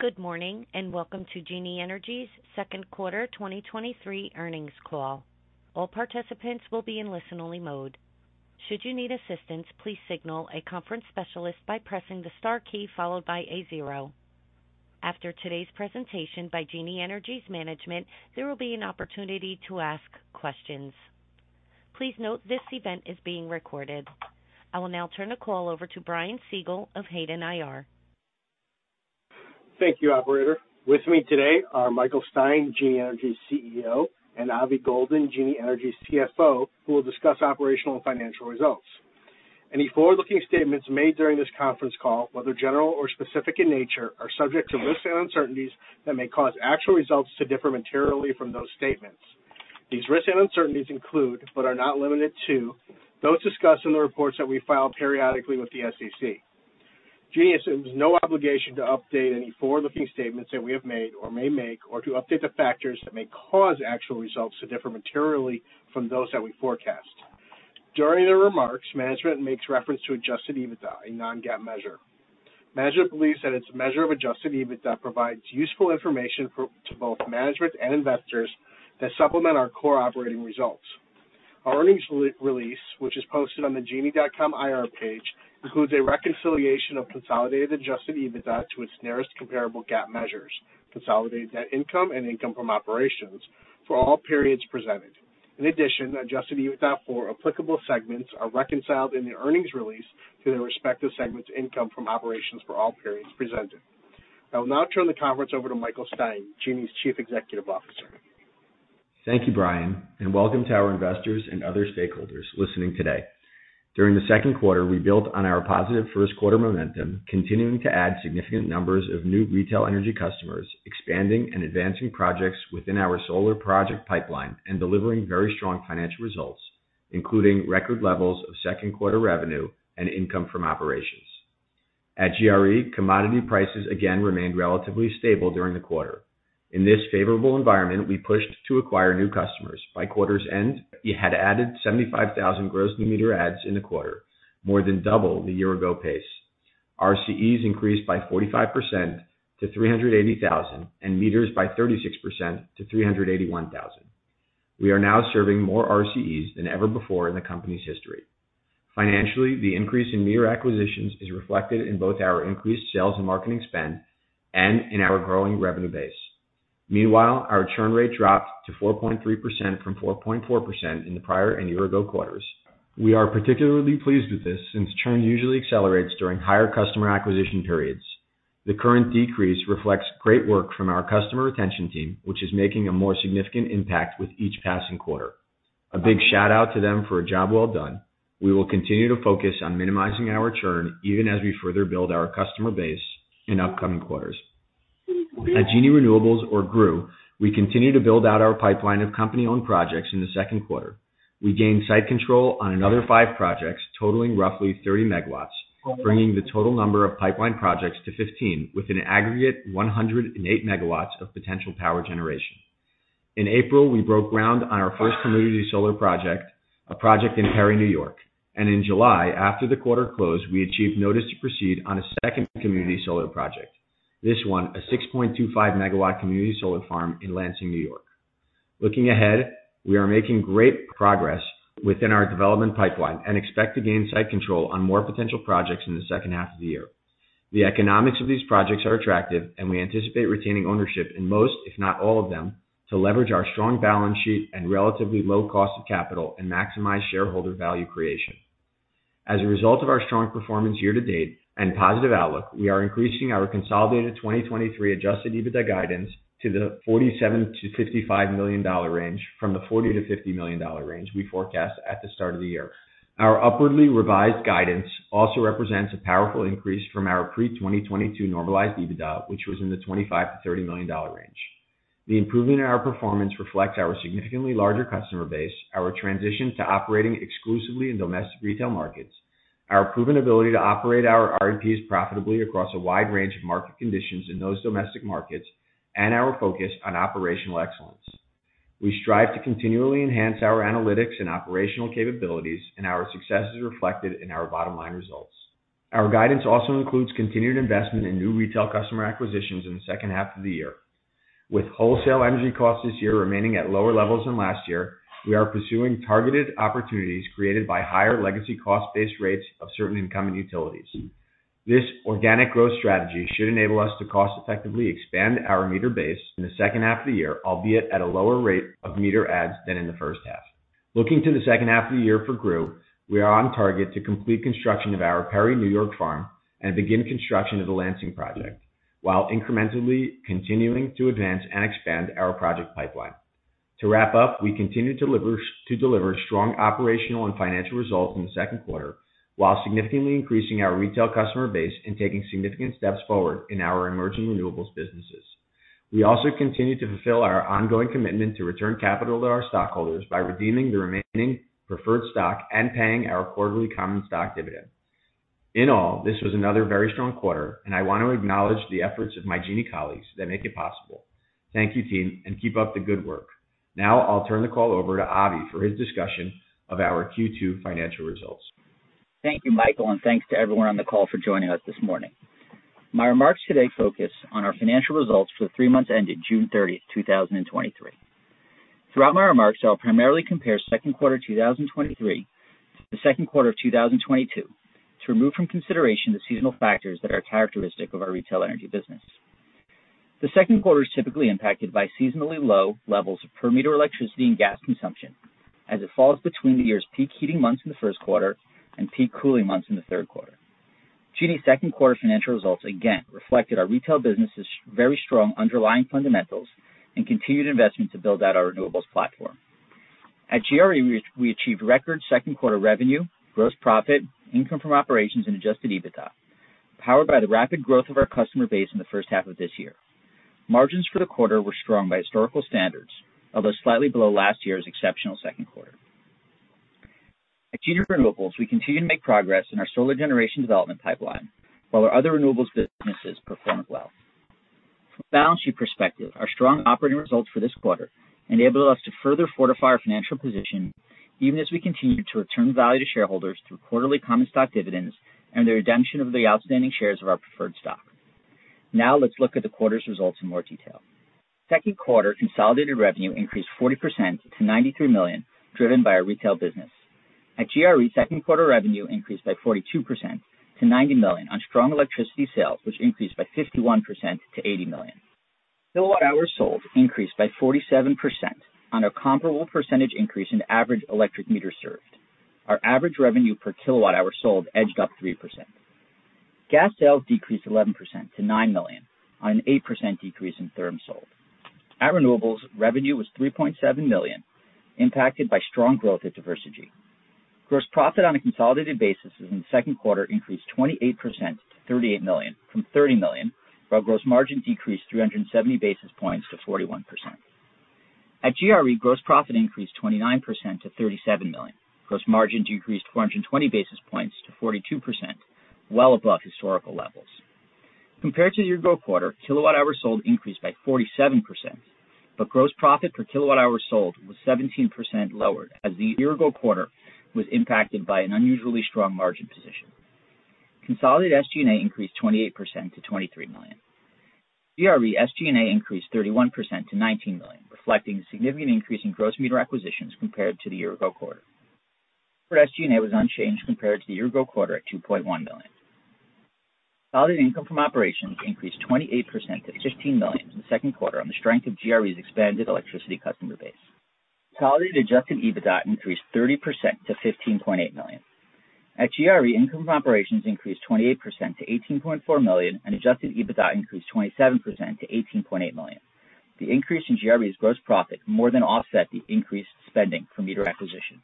Good morning, and welcome to Genie Energy's second quarter 2023 earnings call. All participants will be in listen-only mode. Should you need assistance, please signal a conference specialist by pressing the star key followed by a 0. After today's presentation by Genie Energy's management, there will be an opportunity to ask questions. Please note, this event is being recorded. I will now turn the call over to Brian Siegel of Hayden IR. Thank you, operator. With me today are Michael Stein, Genie Energy's CEO, and Avi Goldin, Genie Energy's CFO, who will discuss operational and financial results. Any forward-looking statements made during this conference call, whether general or specific in nature, are subject to risks and uncertainties that may cause actual results to differ materially from those statements. These risks and uncertainties include, but are not limited to, those discussed in the reports that we file periodically with the SEC. Genie assumes no obligation to update any forward-looking statements that we have made or may make, or to update the factors that may cause actual results to differ materially from those that we forecast. During the remarks, management makes reference to adjusted EBITDA, a non-GAAP measure. Management believes that its measure of adjusted EBITDA provides useful information to both management and investors that supplement our core operating results. Our earnings re-release, which is posted on the genie.com IR page, includes a reconciliation of consolidated adjusted EBITDA to its nearest comparable GAAP measures, consolidated net income and income from operations for all periods presented. In addition, adjusted EBITDA for applicable segments are reconciled in the earnings release to their respective segments income from operations for all periods presented. I will now turn the conference over to Michael Stein, Genie's Chief Executive Officer. Thank you, Brian, and welcome to our investors and other stakeholders listening today. During the second quarter, we built on our positive first quarter momentum, continuing to add significant numbers of new retail energy customers, expanding and advancing projects within our solar project pipeline, and delivering very strong financial results, including record levels of second quarter revenue and income from operations. At GRE, commodity prices again remained relatively stable during the quarter. In this favorable environment, we pushed to acquire new customers. By quarter's end, we had added 75,000 gross new meter adds in the quarter, more than double the year ago pace. RCEs increased by 45% to 380,000, and meters by 36% to 381,000. We are now serving more RCEs than ever before in the company's history. Financially, the increase in meter acquisitions is reflected in both our increased sales and marketing spend and in our growing revenue base. Meanwhile, our churn rate dropped to 4.3% from 4.4% in the prior and year-ago quarters. We are particularly pleased with this since churn usually accelerates during higher customer acquisition periods. The current decrease reflects great work from our customer retention team, which is making a more significant impact with each passing quarter. A big shout-out to them for a job well done. We will continue to focus on minimizing our churn even as we further build our customer base in upcoming quarters. At Genie Renewables or GREW, we continue to build out our pipeline of company-owned projects in the second quarter. We gained site control on another five projects, totaling roughly 30 megawatts, bringing the total number of pipeline projects to 15, with an aggregate 108 megawatts of potential power generation. In April, we broke ground on our first community solar project, a project in Perry, New York. In July, after the quarter closed, we achieved notice to proceed on a second community solar project. This one, a 6.25 megawatt community solar farm in Lansing, New York. Looking ahead, we are making great progress within our development pipeline and expect to gain site control on more potential projects in the second half of the year. The economics of these projects are attractive, and we anticipate retaining ownership in most, if not all, of them, to leverage our strong balance sheet and relatively low cost of capital and maximize shareholder value creation. As a result of our strong performance year to date and positive outlook, we are increasing our consolidated 2023 adjusted EBITDA guidance to the $47 million-$55 million range from the $40 million-$50 million range we forecast at the start of the year. Our upwardly revised guidance also represents a powerful increase from our pre-2022 normalized EBITDA, which was in the $25 million-$30 million range. The improvement in our performance reflects our significantly larger customer base, our transition to operating exclusively in domestic retail markets, our proven ability to operate our RMPs profitably across a wide range of market conditions in those domestic markets, and our focus on operational excellence. We strive to continually enhance our analytics and operational capabilities, and our success is reflected in our bottom-line results. Our guidance also includes continued investment in new retail customer acquisitions in the second half of the year. With wholesale energy costs this year remaining at lower levels than last year, we are pursuing targeted opportunities created by higher legacy cost-based rates of certain incumbent utilities. This organic growth strategy should enable us to cost-effectively expand our meter base in the second half of the year, albeit at a lower rate of meter adds than in the first half. Looking to the second half of the year for GREW, we are on target to complete construction of our Perry, New York farm and begin construction of the Lansing project, while incrementally continuing to advance and expand our project pipeline. To wrap up, we continue to deliver strong operational and financial results in the second quarter, while significantly increasing our retail customer base and taking significant steps forward in our emerging renewables businesses. We also continue to fulfill our ongoing commitment to return capital to our stockholders by redeeming the remaining preferred stock and paying our quarterly common stock dividend. In all, this was another very strong quarter, and I want to acknowledge the efforts of my Genie colleagues that make it possible. Thank you, team, and keep up the good work. Now I'll turn the call over to Avi for his discussion of our Q2 financial results. Thank you, Michael, and thanks to everyone on the call for joining us this morning. My remarks today focus on our financial results for the three months ended June 30, 2023. Throughout my remarks, I'll primarily compare second quarter 2023 to the second quarter of 2022, to remove from consideration the seasonal factors that are characteristic of our retail energy business. The second quarter is typically impacted by seasonally low levels of per meter electricity and gas consumption, as it falls between the year's peak heating months in the first quarter and peak cooling months in the third quarter. Genie's second quarter financial results again reflected our retail business' very strong underlying fundamentals and continued investment to build out our renewables platform. At GRE, we, we achieved record second quarter revenue, gross profit, income from operations, and adjusted EBITDA, powered by the rapid growth of our customer base in the first half of this year. Margins for the quarter were strong by historical standards, although slightly below last year's exceptional second quarter. At Genie Renewables, we continue to make progress in our solar generation development pipeline, while our other renewables businesses performed well. From a balance sheet perspective, our strong operating results for this quarter enabled us to further fortify our financial position, even as we continue to return value to shareholders through quarterly common stock dividends and the redemption of the outstanding shares of our preferred stock. Now, let's look at the quarter's results in more detail. Second quarter consolidated revenue increased 40% to $93 million, driven by our retail business. At GRE, second quarter revenue increased by 42% to $90 million on strong electricity sales, which increased by 51% to $80 million. Kilowatt-hours sold increased by 47% on a comparable percentage increase in average electric meter served. Our average revenue per kilowatt-hour sold edged up 3%. Gas sales decreased 11% to $9 million on an 8% decrease in therm sold. At Renewables, revenue was $3.7 million, impacted by strong growth at Diversegy. Gross profit on a consolidated basis in the second quarter increased 28% to $38 million from $30 million, while gross margin decreased 370 basis points to 41%. At GRE, gross profit increased 29% to $37 million. Gross margin decreased 420 basis points to 42%, well above historical levels. Compared to the year-ago quarter, kilowatt-hours sold increased by 47%, but gross profit per kilowatt-hour sold was 17% lower, as the year-ago quarter was impacted by an unusually strong margin position. Consolidated SG&A increased 28% to $23 million. GRE SG&A increased 31% to $19 million, reflecting a significant increase in gross meter acquisitions compared to the year-ago quarter. For SG&A was unchanged compared to the year-ago quarter at $2.1 million. Consolidated income from operations increased 28% to $16 million in the second quarter on the strength of GRE's expanded electricity customer base. Consolidated adjusted EBITDA increased 30% to $15.8 million. At GRE, income from operations increased 28% to $18.4 million, and adjusted EBITDA increased 27% to $18.8 million. The increase in GRE's gross profit more than offset the increased spending for meter acquisition.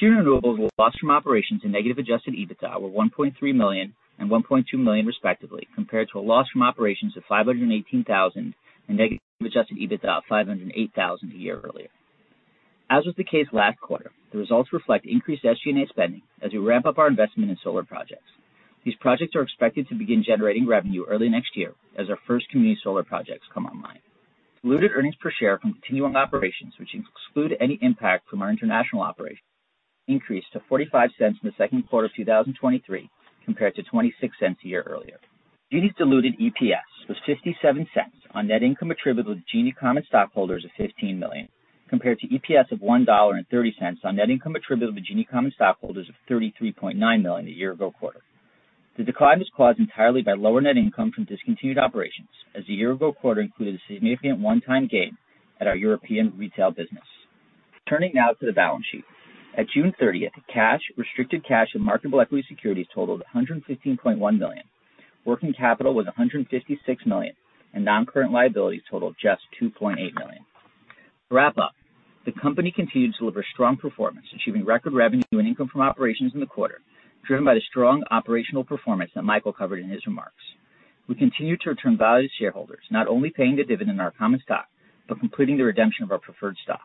Genie Renewables' loss from operations and negative adjusted EBITDA were $1.3 million and $1.2 million, respectively, compared to a loss from operations of $518,000 and negative adjusted EBITDA of $508,000 a year earlier. As was the case last quarter, the results reflect increased SG&A spending as we ramp up our investment in solar projects. These projects are expected to begin generating revenue early next year as our first community solar projects come online. Diluted earnings per share from continuing operations, which exclude any impact from our international operations, increased to $0.45 in the second quarter of 2023, compared to $0.26 a year earlier. Genie's diluted EPS was $0.57 on net income attributable to Genie common stockholders of $15 million, compared to EPS of $1.30 on net income attributable to Genie common stockholders of $33.9 million a year-ago quarter. The decline was caused entirely by lower net income from discontinued operations, as the year-ago quarter included a significant one-time gain at our European retail business. Turning now to the balance sheet. At June thirtieth, cash, restricted cash, and marketable equity securities totaled $115.1 million. Working capital was $156 million, and non-current liabilities totaled just $2.8 million. To wrap up, the company continued to deliver strong performance, achieving record revenue and income from operations in the quarter, driven by the strong operational performance that Michael covered in his remarks. We continue to return value to shareholders, not only paying the dividend on our common stock, but completing the redemption of our preferred stock.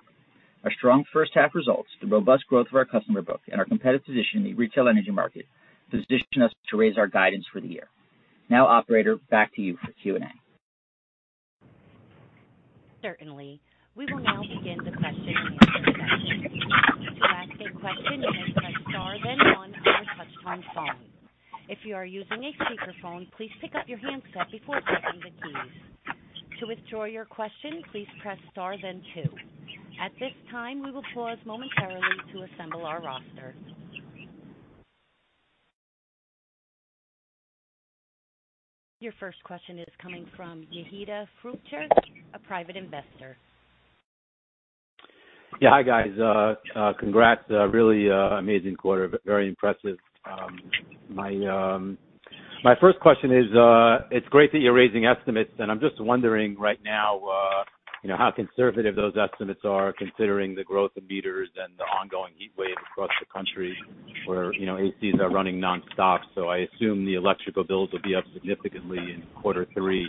Our strong first half results, the robust growth of our customer book, and our competitive position in the retail energy market position us to raise our guidance for the year. Operator, back to you for Q&A. Certainly. We will now begin the question and answer session. To ask a question, press star then one on your touchtone phone. If you are using a speakerphone, please pick up your handset before pressing the keys. To withdraw your question, please press star then two. At this time, we will pause momentarily to assemble our roster. Your first question is coming from Yehuda Fruchter, a private investor. Yeah. Hi, guys. Congrats, a really amazing quarter. Very impressive. My first question is, it's great that you're raising estimates. I'm just wondering right now, you know, how conservative those estimates are, considering the growth of meters and the ongoing heat wave across the country, where, you know, ACs are running nonstop. I assume the electrical bills will be up significantly in quarter three.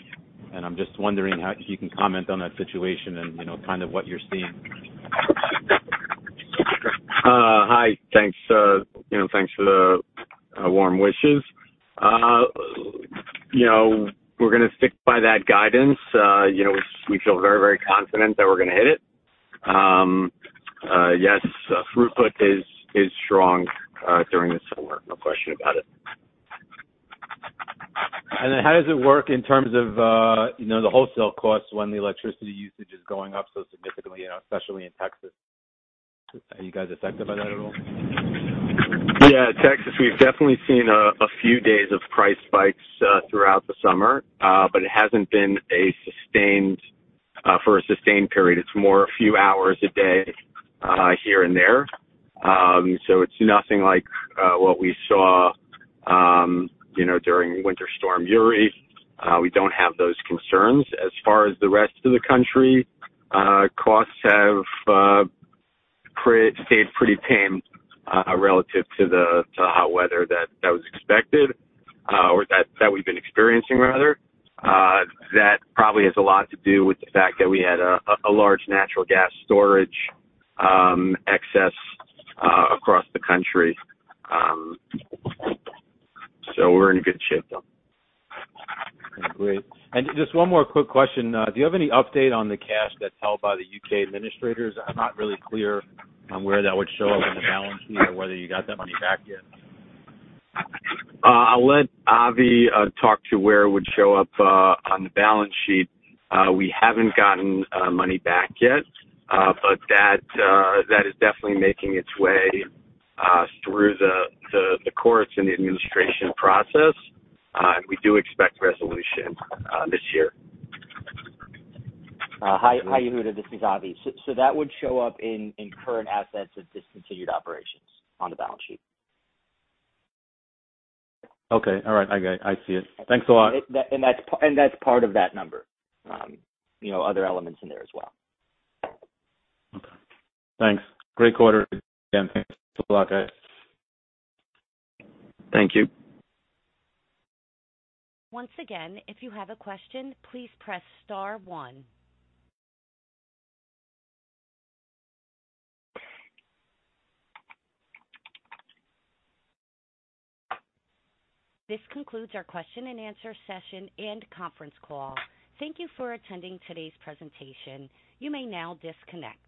I'm just wondering if you can comment on that situation and, you know, kind of what you're seeing. Hi. Thanks, you know, thanks for the warm wishes. You know, we're gonna stick by that guidance. You know, we, we feel very, very confident that we're gonna hit it.... Yes, throughput is, is strong during the summer. No question about it. Then how does it work in terms of, you know, the wholesale costs when the electricity usage is going up so significantly, you know, especially in Texas? Are you guys affected by that at all? Yeah, Texas, we've definitely seen a few days of price spikes throughout the summer, but it hasn't been for a sustained period. It's more a few hours a day here and there. It's nothing like what we saw, you know, during Winter Storm Uri. We don't have those concerns. As far as the rest of the country, costs have stayed pretty tame relative to the hot weather that was expected or that we've been experiencing rather. That probably has a lot to do with the fact that we had a large natural gas storage excess across the country. We're in good shape, though. Great. Just one more quick question. Do you have any update on the cash that's held by the U.K. administrators? I'm not really clear on where that would show up on the balance sheet or whether you got that money back yet. I'll let Avi talk to where it would show up on the balance sheet. We haven't gotten money back yet, but that that is definitely making its way through the the the courts and the administration process. We do expect resolution this year. hi, Yahida, this is Avi. That would show up in, in current assets of discontinued operations on the balance sheet. Okay. All right, I got it. I see it. Thanks a lot. That, and that's part of that number, you know, other elements in there as well. Okay. Thanks. Great quarter. Again, thanks a lot, guys. Thank you. Once again, if you have a question, please press star one. This concludes our question and answer session and conference call. Thank you for attending today's presentation. You may now disconnect.